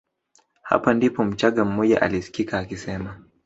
Hapo ndipo mchagga mmoja alisikika akisema